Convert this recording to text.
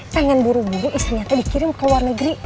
pengen buru buru istrinya aku dikirim ke luar negeri